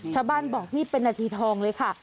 ชาวบ้านบอกนี่เป็นนาทีทองเลยค่ะ